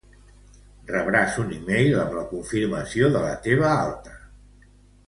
Rebràs un email amb la confirmació de la teva alta.